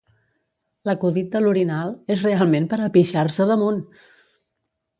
L'acudit de l'orinal és realment per a pixar-se damunt!